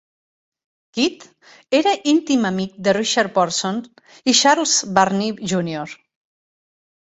Kidd era íntim amic de Richard Porson i Charles Burney júnior.